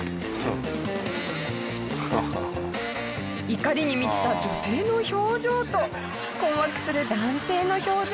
怒りに満ちた女性の表情と困惑する男性の表情。